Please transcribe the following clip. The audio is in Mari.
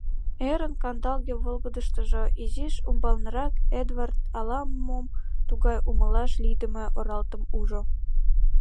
Эрын кандалге волгыдыштыжо изиш умбалнырак Эдвард ала-мо тугай умылаш лийдыме оралтым ужо.